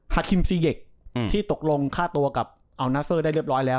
คิมซีเย็กที่ตกลงค่าตัวกับอัลนาเซอร์ได้เรียบร้อยแล้ว